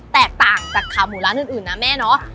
แตกต่างจากขาหมูร้านอื่นนะแม่เนาะ